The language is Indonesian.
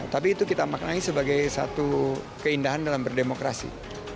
tapi itu kita maknai sebagai satu keindahan dalam berdemokrasi